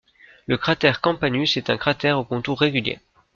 Le cratère Campanus est un cratère au contour régulier.